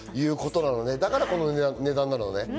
だからこの値段なのね。